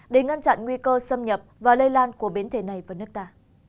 để ngăn chặn nguy cơ xâm nhập và lây lan của biến thể này vào nước ta